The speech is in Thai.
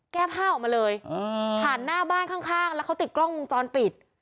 แก้ผ้าออกมาเลยผ่านหน้าบ้านข้างแล้วเขาติดกล้องวงจรปิด